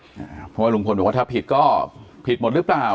เพราะว่าลุงพลบอกว่าถ้าผิดก็ผิดหมดหรือเปล่า